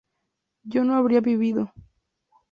yo no habría vivido